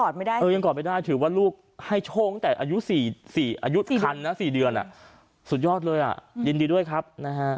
ยังกอดไม่ได้ถือว่าลูกให้โชคตั้งแต่อายุคันนะ๔เดือนสุดยอดเลยอ่ะยินดีด้วยครับนะฮะ